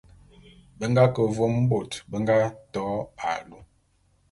Be nga ke vôm bôt bé nga to alu.